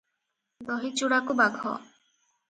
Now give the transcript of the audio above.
ଦହି ଚୂଡ଼ାକୁ ବାଘ ।।